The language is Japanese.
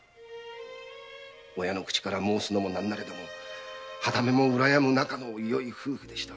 親の口から申すのも何なれども傍目も羨む仲のよい夫婦でした。